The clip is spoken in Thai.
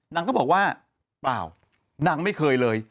นางก็บอกว่าเปล่านางไม่เคยเลย